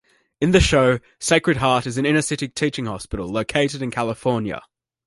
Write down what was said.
In the show, Sacred Heart is an inner-city teaching hospital located in California.